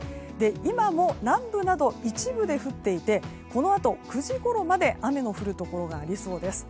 今も南部など一部で降っていてこのあと９時ごろまで雨の降るところがありそうです。